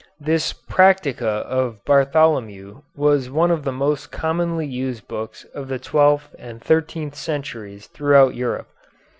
This "Practica" of Bartholomew was one of the most commonly used books of the twelfth and thirteenth centuries throughout Europe.